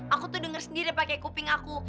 aku tuh denger sendiri pakai kuping aku